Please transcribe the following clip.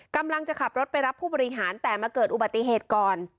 กำลังจะขับรถไปรับผู้บริหารแต่มาเกิดอุบัติเหตุก่อน